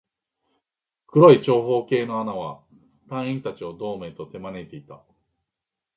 黒い長方形の穴は、隊員達をドームへと手招いていた